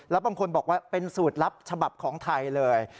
แล้วบางคนบอกว่าเป็นสูตรลับฉบับของไทยเลย